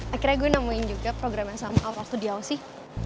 akhirnya gue nemuin juga program yang sama out of the dio sih